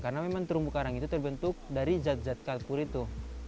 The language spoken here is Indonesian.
karena memang terumbu karang itu terbentuk dari zat zat kapur itu